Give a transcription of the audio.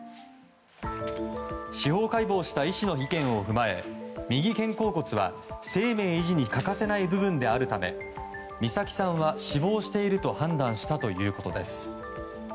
司法解剖した医師の意見を踏まえ右肩甲骨は生命維持に欠かせない部分であるため美咲さんは死亡していると判断したということです。